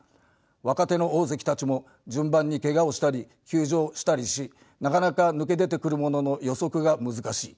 若手の大関たちも順番にケガをしたり休場したりしなかなか抜け出てくる者の予測が難しい。